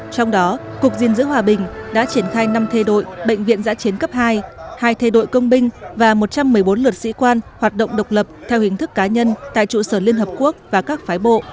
trong đó cục diện giữ hòa bình đã triển khai năm thê đội bệnh viện giã chiến cấp hai hai thê đội công binh và một trăm một mươi bốn luật sĩ quan hoạt động độc lập theo hình thức cá nhân tại trụ sở liên hợp quốc và các phái bộ